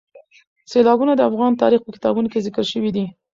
سیلابونه د افغان تاریخ په کتابونو کې ذکر شوي دي.